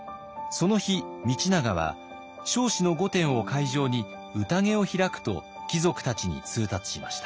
その日道長は彰子の御殿を会場に宴を開くと貴族たちに通達しました。